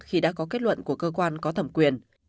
khi đã có kết luận của cơ quan có thẩm quyền